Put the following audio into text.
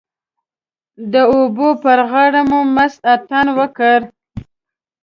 د اوبو پر غاړه مو مست اتڼ وکړ.